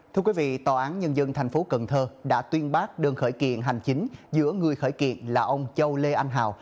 thưa quý vị tòa án nhân dân thành phố cần thơ đã tuyên bác đơn khởi kiện hành chính giữa người khởi kiện là ông châu lê anh hào